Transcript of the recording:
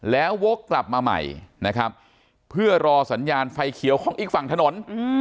แล้ววกกลับมาใหม่นะครับเพื่อรอสัญญาณไฟเขียวของอีกฝั่งถนน